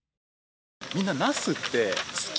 みんなナスって好き？